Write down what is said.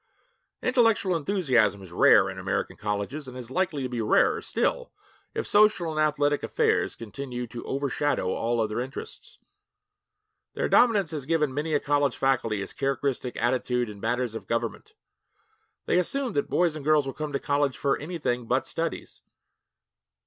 Intellectual enthusiasm is rare in American colleges, and is likely to be rarer still if social and athletic affairs continue to overshadow all other interests. Their dominance has given many a college faculty its characteristic attitude in matters of government. They assume that boys and girls will come to college for anything but studies.